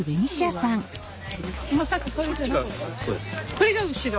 これが後ろ？